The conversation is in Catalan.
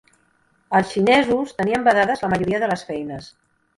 Els xinesos tenien vedades la majoria de feines.